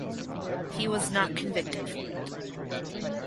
He was not convicted for it.